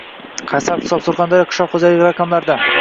Sarhisob: Surxondaryo qishloq xo‘jaligi raqamlarda